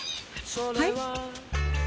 はい？